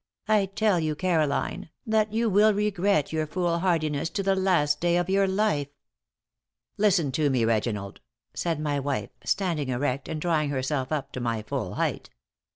I tell you, Caroline, that you will regret your foolhardiness to the last day of your life." "Listen to me, Reginald," said my wife, standing erect and drawing herself up to my full height.